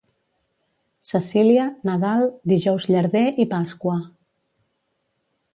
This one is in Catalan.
Cecília, Nadal, Dijous llarder i Pasqua.